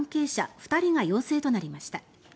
２人が陽性となりました。